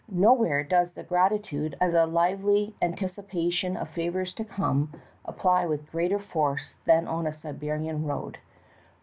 Nowhere does the definition of grati tude, as a , lively an ticipation of favors to come, apply with greater force than on a Siberian road.